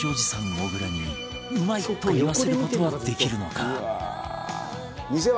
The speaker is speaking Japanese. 小倉に「うまい！」と言わせる事はできるのか？